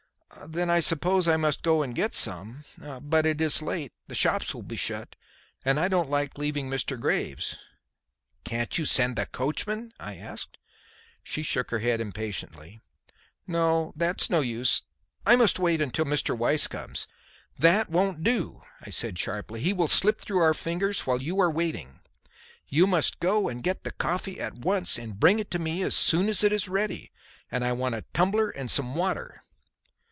"Then I suppose I must go and get some. But it is late. The shops will be shut. And I don't like leaving Mr. Graves." "Can't you send the coachman?" I asked. She shook her head impatiently. "No, that is no use. I must wait until Mr. Weiss comes." "That won't do," I said, sharply. "He will slip through our fingers while you are waiting. You must go and get that coffee at once and bring it to me as soon as it is ready. And I want a tumbler and some water."